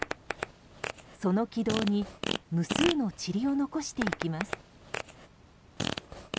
その軌道に無数のちりを残していきます。